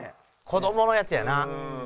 子どものやつやな。